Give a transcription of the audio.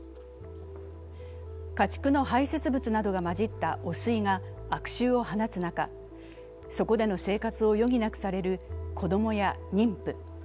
家畜の排せつ物などがまじった汚水が悪臭を放つ中、そこでの生活を余儀なくされる子供や妊婦。